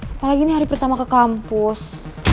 apalagi ini hari pertama ke kampus